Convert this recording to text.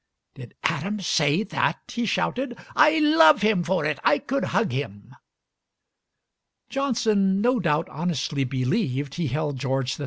"Did Adam say that?" he shouted: "I love him for it. I could hug him!" Johnson no doubt honestly believed he held George III.